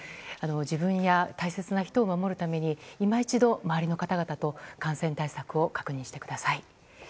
自分や大切な人を守るために今一度周りの方々と感染対策を確認してください。